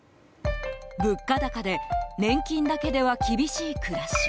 物価高で年金だけでは厳しい暮らし。